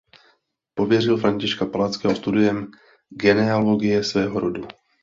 Pověřil Františka Palackého studiem genealogie svého rodu.